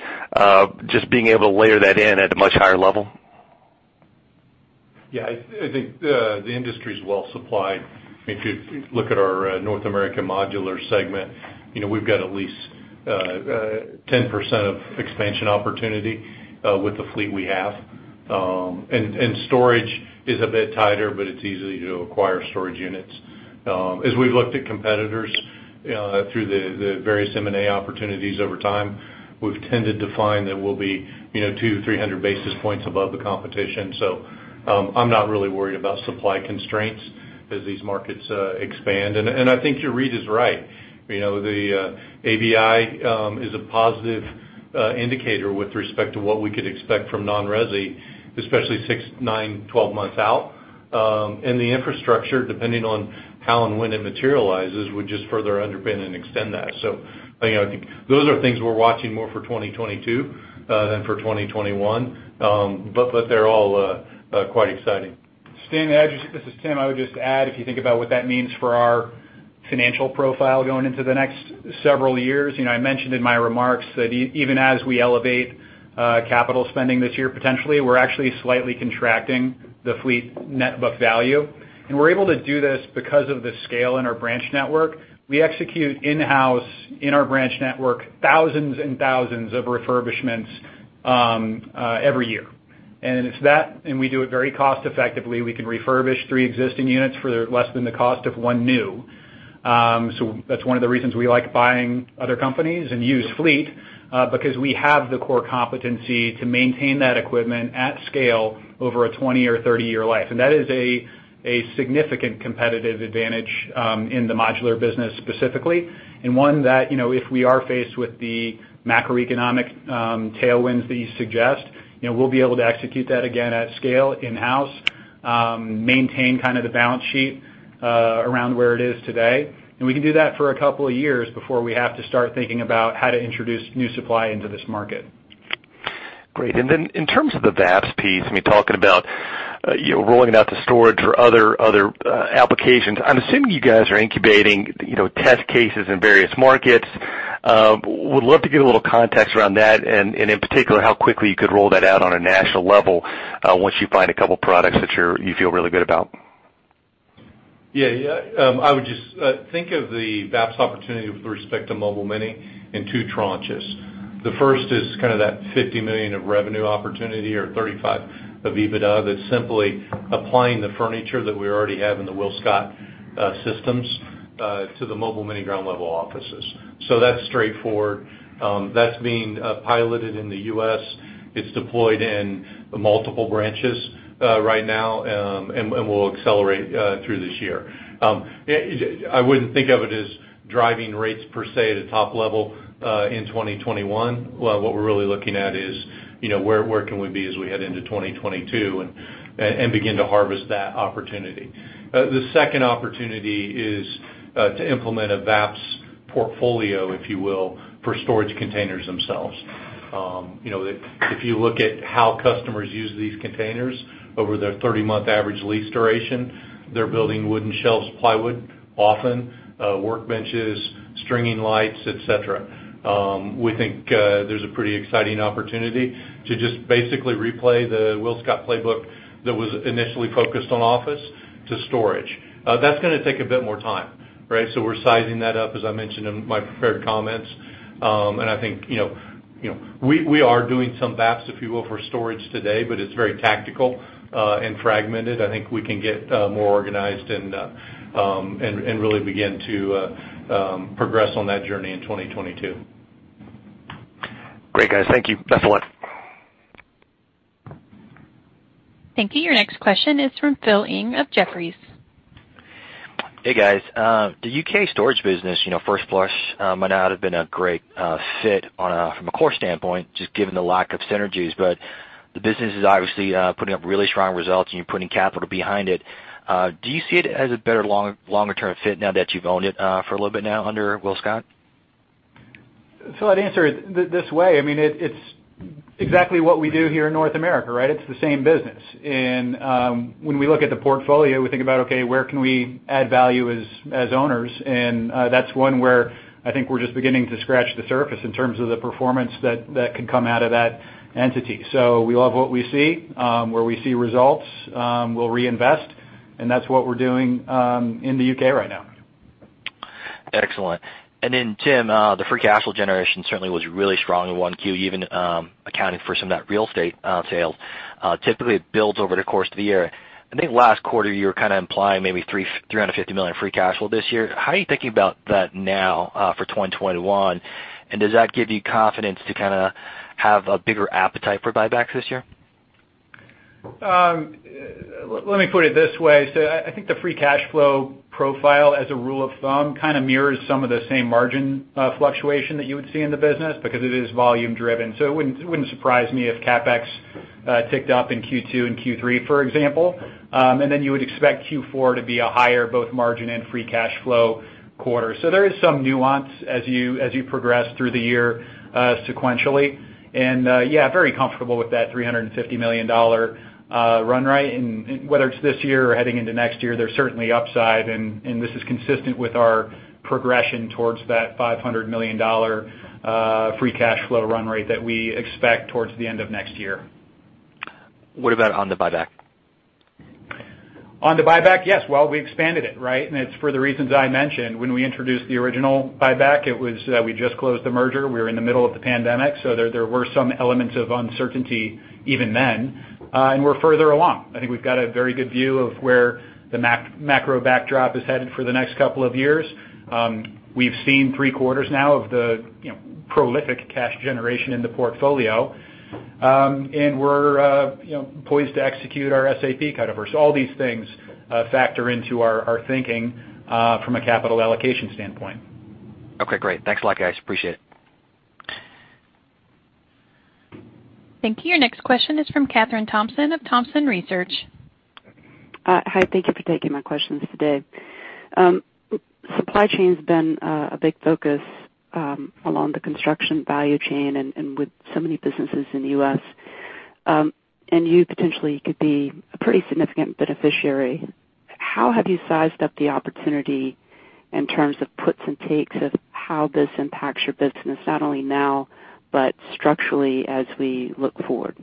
just being able to layer that in at a much higher level? Yeah, I think the industry's well supplied. If you look at our North American modular segment, we've got at least 10% of expansion opportunity with the fleet we have. Storage is a bit tighter, but it's easy to acquire storage units. As we've looked at competitors through the various M&A opportunities over time, we've tended to find that we'll be 200 to 300 basis points above the competition. I'm not really worried about supply constraints as these markets expand. I think your read is right. The ABI is a positive indicator with respect to what we could expect from non-resi, especially six, nine, 12 months out. The infrastructure, depending on how and when it materializes, would just further underpin and extend that. I think those are things we're watching more for 2022 than for 2021. They're all quite exciting. Stanley, this is Tim. I would just add, if you think about what that means for our financial profile going into the next several years. I mentioned in my remarks that even as we elevate capital spending this year, potentially, we're actually slightly contracting the fleet net book value. We're able to do this because of the scale in our branch network. We execute in-house, in our branch network, thousands and thousands of refurbishments every year. We do it very cost effectively. We can refurbish three existing units for less than the cost of one new. That's one of the reasons we like buying other companies and used fleet because we have the core competency to maintain that equipment at scale over a 20 or 30-year life. That is a significant competitive advantage in the modular business specifically. One that, if we are faced with the macroeconomic tailwinds that you suggest, we'll be able to execute that again at scale in-house, maintain kind of the balance sheet around where it is today. We can do that for a couple of years before we have to start thinking about how to introduce new supply into this market. Great. In terms of the VAPS piece, talking about rolling it out to storage or other applications. I'm assuming you guys are incubating test cases in various markets. Would love to get a little context around that, and in particular, how quickly you could roll that out on a national level once you find a couple products that you feel really good about. I would just think of the VAPS opportunity with respect to Mobile Mini in two tranches. The first is kind of that $50 million of revenue opportunity or $35 of EBITDA, that's simply applying the furniture that we already have in the WillScot systems to the Mobile Mini ground level offices. That's straightforward. That's being piloted in the U.S. It's deployed in multiple branches right now, and will accelerate through this year. I wouldn't think of it as driving rates per se at a top level, in 2021. What we're really looking at is where can we be as we head into 2022 and begin to harvest that opportunity. The second opportunity is to implement a VAPS portfolio, if you will, for storage containers themselves. If you look at how customers use these containers over their 30-month average lease duration, they're building wooden shelves, plywood, often, workbenches, stringing lights, et cetera. We think there's a pretty exciting opportunity to just basically replay the WillScot playbook that was initially focused on office to storage. That's going to take a bit more time. We're sizing that up, as I mentioned in my prepared comments. I think we are doing some VAPS, if you will, for storage today, but it's very tactical and fragmented. I think we can get more organized and really begin to progress on that journey in 2022. Great, guys. Thank you. That's all. Thank you. Your next question is from Phil Ng of Jefferies. Hey, guys. The U.K. storage business, first blush might not have been a great fit from a core standpoint, just given the lack of synergies, but the business is obviously putting up really strong results and you're putting capital behind it. Do you see it as a better longer-term fit now that you've owned it for a little bit now under WillScot? Phil, I'd answer it this way. It's exactly what we do here in North America, right? It's the same business. When we look at the portfolio, we think about, okay, where can we add value as owners? That's one where I think we're just beginning to scratch the surface in terms of the performance that can come out of that entity. We love what we see. Where we see results, we'll reinvest, and that's what we're doing in the U.K. right now. Excellent. Tim, the free cash flow generation certainly was really strong in 1Q, even accounting for some of that real estate sales. Typically, it builds over the course of the year. I think last quarter you were kind of implying maybe $350 million free cash flow this year. How are you thinking about that now for 2021? Does that give you confidence to kind of have a bigger appetite for buybacks this year? Let me put it this way. I think the free cash flow profile, as a rule of thumb, kind of mirrors some of the same margin fluctuation that you would see in the business because it is volume driven. It wouldn't surprise me if CapEx ticked up in Q2 and Q3, for example. You would expect Q4 to be a higher both margin and free cash flow quarter. There is some nuance as you progress through the year sequentially. Yeah, very comfortable with that $350 million run rate. Whether it's this year or heading into next year, there's certainly upside, and this is consistent with our progression towards that $500 million free cash flow run rate that we expect towards the end of next year. What about on the buyback? On the buyback? Yes. Well, we expanded it, right? It's for the reasons I mentioned. When we introduced the original buyback, it was that we just closed the merger. We were in the middle of the pandemic. There were some elements of uncertainty even then. We're further along. I think we've got a very good view of where the macro backdrop is headed for the next couple of years. We've seen three quarters now of the prolific cash generation in the portfolio. We're poised to execute our SAP cutover. All these things factor into our thinking from a capital allocation standpoint. Okay, great. Thanks a lot, guys. Appreciate it. Thank you. Your next question is from Kathryn Thompson of Thompson Research. Hi, thank you for taking my questions today. Supply chain's been a big focus along the construction value chain with so many businesses in the U.S., you potentially could be a pretty significant beneficiary. How have you sized up the opportunity in terms of puts and takes of how this impacts your business, not only now, but structurally as we look forward?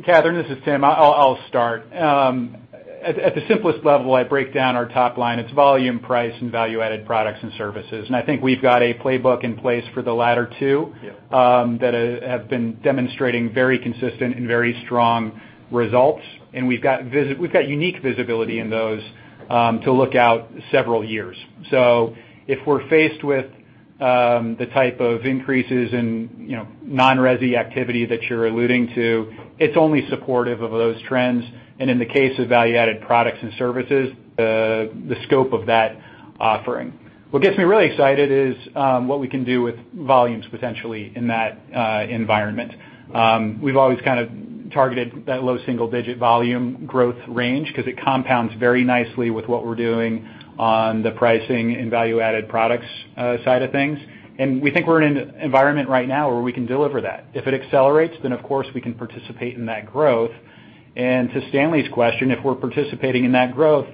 Kathryn, this is Tim. I'll start. At the simplest level, I break down our top line. It's volume, price, and value-added products and services. I think we've got a playbook in place for the latter two. Yeah that have been demonstrating very consistent and very strong results. We've got unique visibility in those to look out several years. If we're faced with the type of increases in non-resi activity that you're alluding to, it's only supportive of those trends, and in the case of value-added products and services, the scope of that offering. What gets me really excited is what we can do with volumes potentially in that environment. We've always kind of targeted that low single-digit volume growth range because it compounds very nicely with what we're doing on the pricing and value-added products side of things. We think we're in an environment right now where we can deliver that. If it accelerates, of course, we can participate in that growth. To Stanley's question, if we're participating in that growth,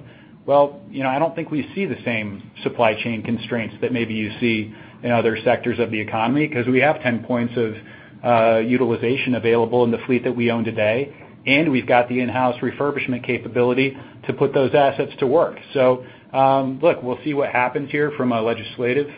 well, I don't think we see the same supply chain constraints that maybe you see in other sectors of the economy, because we have 10 points of utilization available in the fleet that we own today, and we've got the in-house refurbishment capability to put those assets to work. Look, we'll see what happens here from a legislative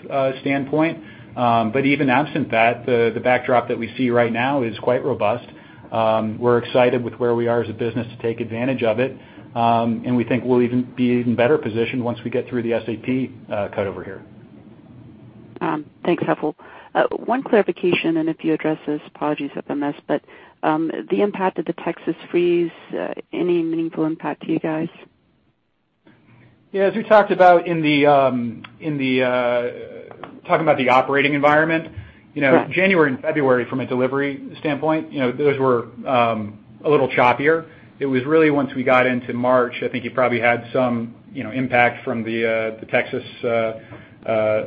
standpoint. Even absent that, the backdrop that we see right now is quite robust. We're excited with where we are as a business to take advantage of it, and we think we'll be even better positioned once we get through the SAP cutover here. Thanks, Helpful. One clarification, and if you address this, apologies up on this, but the impact of the Texas freeze, any meaningful impact to you guys? Yeah. As we talked about talking about the operating environment. Right January and February from a delivery standpoint, those were a little choppier. It was really once we got into March, I think you probably had some impact from the Texas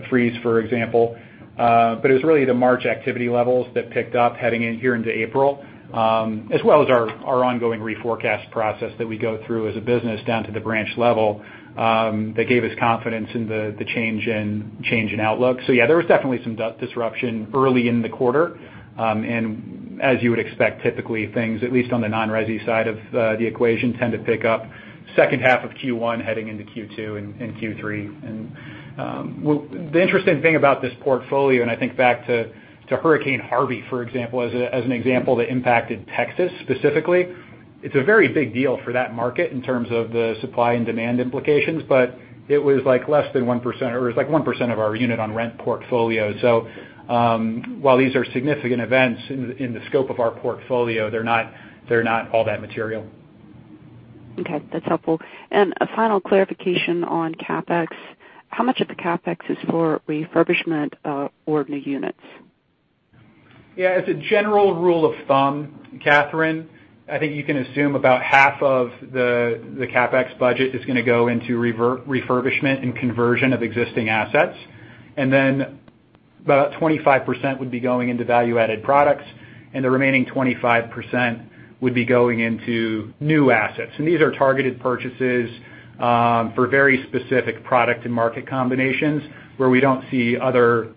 freeze, for example. It was really the March activity levels that picked up heading in here into April, as well as our ongoing reforecast process that we go through as a business down to the branch level, that gave us confidence in the change in outlook. Yeah, there was definitely some disruption early in the quarter. As you would expect, typically things, at least on the non-resi side of the equation, tend to pick up second half of Q1 heading into Q2 and Q3. The interesting thing about this portfolio, and I think back to Hurricane Harvey, for example, as an example that impacted Texas specifically, it's a very big deal for that market in terms of the supply and demand implications, but it was like less than 1%, or it was like 1% of our unit on rent portfolio. While these are significant events in the scope of our portfolio, they're not all that material. Okay. That's helpful. A final clarification on CapEx. How much of the CapEx is for refurbishment or new units? Yeah. As a general rule of thumb, Kathryn, I think you can assume about half of the CapEx budget is going to go into refurbishment and conversion of existing assets. About 25% would be going into value-added products, and the remaining 25% would be going into new assets. These are targeted purchases for very specific product and market combinations where we don't see other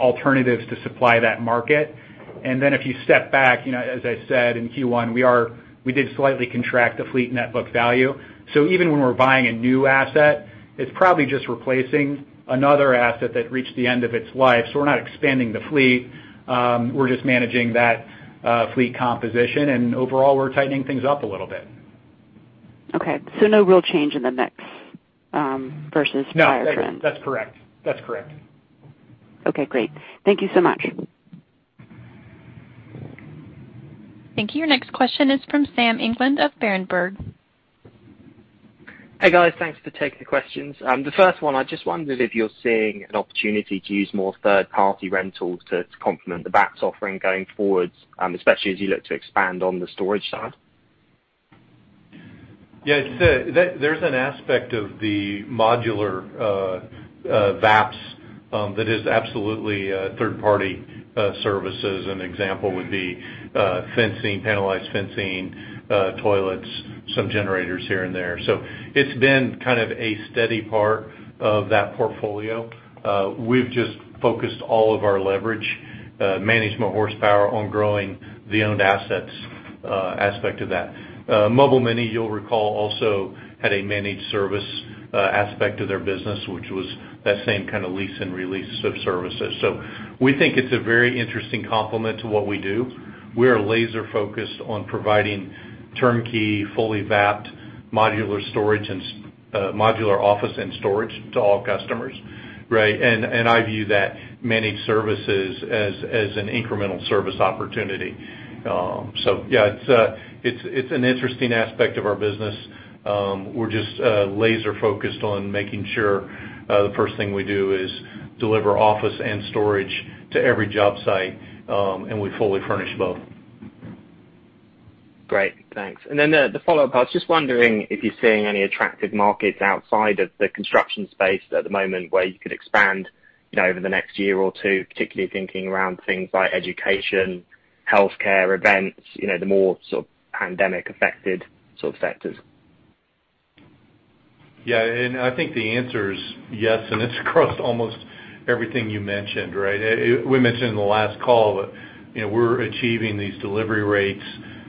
alternatives to supply that market. If you step back, as I said, in Q1, we did slightly contract the fleet net book value. Even when we're buying a new asset, it's probably just replacing another asset that reached the end of its life. We're not expanding the fleet. We're just managing that fleet composition, and overall, we're tightening things up a little bit. Okay. No real change in the mix versus prior trends. No. That's correct. Okay, great. Thank you so much. Thank you. Your next question is from Sam England of Berenberg. Hey, guys. Thanks for taking the questions. The first one, I just wondered if you're seeing an opportunity to use more third-party rentals to complement the VAPS offering going forward, especially as you look to expand on the storage side. Yeah. There's an aspect of the modular VAPS that is absolutely third-party services. An example would be fencing, panelized fencing, toilets, some generators here and there. It's been kind of a steady part of that portfolio. We've just focused all of our leverage management horsepower on growing the owned assets aspect of that. Mobile Mini, you'll recall, also had a managed service aspect of their business, which was that same kind of lease and release of services. We think it's a very interesting complement to what we do. We are laser-focused on providing turnkey, fully VAP'd modular office and storage to all customers, right? I view that managed services as an incremental service opportunity. Yeah, it's an interesting aspect of our business. We're just laser-focused on making sure the first thing we do is deliver office and storage to every job site, and we fully furnish both. Great. Thanks. The follow-up, I was just wondering if you're seeing any attractive markets outside of the construction space at the moment where you could expand over the next year or two, particularly thinking around things like education, healthcare, events, the more sort of pandemic-affected sort of sectors. Yeah. I think the answer is yes, and it's across almost everything you mentioned, right? We mentioned in the last call that we're achieving these delivery rates,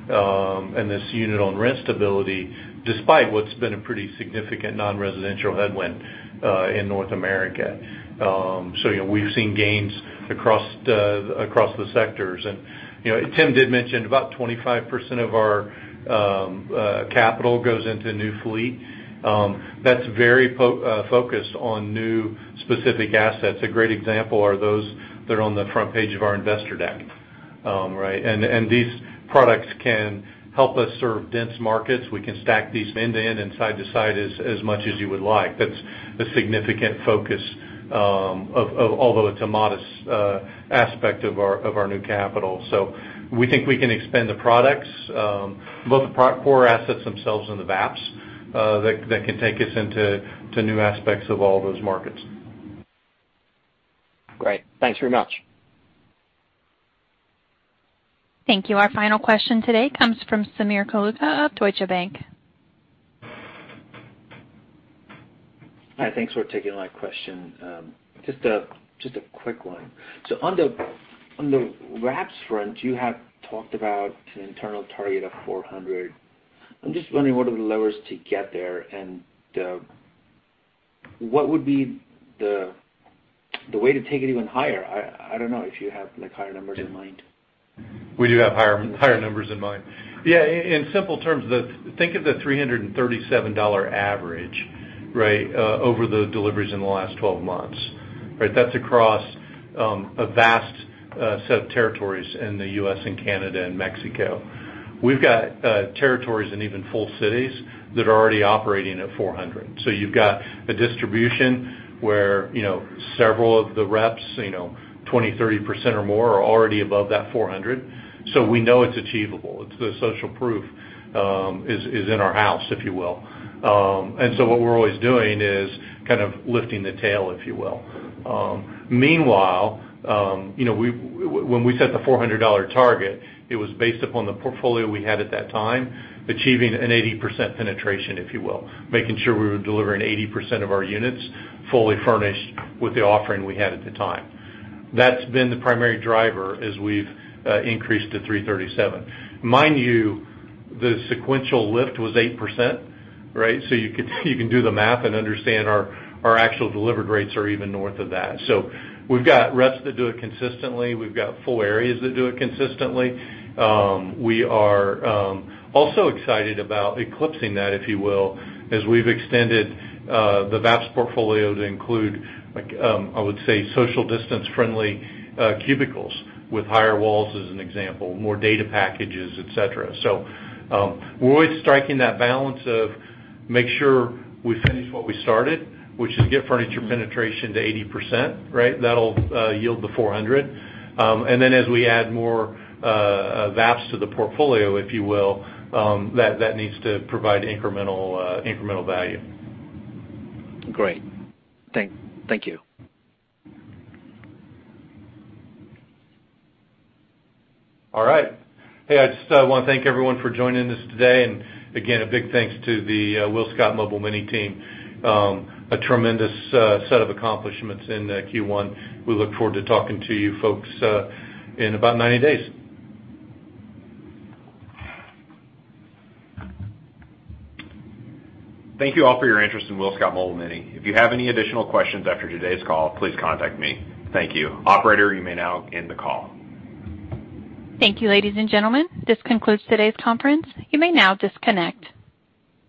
and this unit on rent stability, despite what's been a pretty significant non-residential headwind in North America. We've seen gains across the sectors. Tim did mention about 25% of our capital goes into new fleet. That's very focused on new specific assets. A great example are those that are on the front page of our investor deck. Right. These products can help us serve dense markets. We can stack these end to end and side to side as much as you would like. That's a significant focus, although it's a modest aspect of our new capital. We think we can expand the products, both the core assets themselves and the VAPS. That can take us into new aspects of all those markets. Great. Thanks very much. Thank you. Our final question today comes from Sameer Kalucha of Deutsche Bank. Hi, thanks for taking my question. Just a quick one. On the VAPS front, you have talked about an internal target of $400. I'm just wondering what are the levers to get there, and what would be the way to take it even higher? I don't know if you have higher numbers in mind. We do have higher numbers in mind. Yeah. In simple terms, think of the $337 average over the deliveries in the last 12 months. That's across a vast set of territories in the U.S. and Canada and Mexico. We've got territories and even full cities that are already operating at $400. You've got a distribution where several of the reps, 20%, 30% or more are already above that $400. We know it's achievable. The social proof is in our house, if you will. What we're always doing is kind of lifting the tail, if you will. Meanwhile, when we set the $400 target, it was based upon the portfolio we had at that time, achieving an 80% penetration, if you will. Making sure we were delivering 80% of our units fully furnished with the offering we had at the time. That's been the primary driver as we've increased to $337. Mind you, the sequential lift was 8%, so you can do the math and understand our actual deliver rates are even north of that. We've got reps that do it consistently. We've got full areas that do it consistently. We are also excited about eclipsing that, if you will, as we've extended the VAPS portfolio to include, I would say, social distance-friendly cubicles with higher walls, as an example, more data packages, et cetera. We're always striking that balance of make sure we finish what we started, which is get furniture penetration to 80%. That'll yield the $400. As we add more VAPS to the portfolio, if you will, that needs to provide incremental value. Great. Thank you. All right. Hey, I just want to thank everyone for joining us today, and again, a big thanks to the WillScot Mobile Mini team. A tremendous set of accomplishments in Q1. We look forward to talking to you folks in about 90 days. Thank you all for your interest in WillScot Mobile Mini. If you have any additional questions after today's call, please contact me. Thank you. Operator, you may now end the call. Thank you, ladies and gentlemen. This concludes today's conference. You may now disconnect.